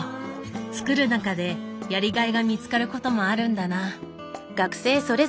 作る中でやりがいが見つかることもあるんだな。